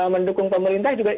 mendukung pemerintah juga